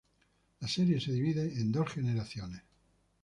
La serie se divide en dos generaciones.